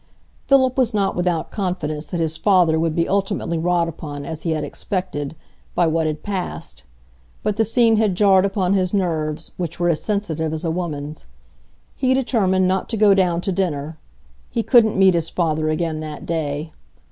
Philip was not without confidence that his father would be ultimately wrought upon as he had expected, by what had passed; but the scene had jarred upon his nerves, which were as sensitive as a woman's. He determined not to go down to dinner; he couldn't meet his father again that day.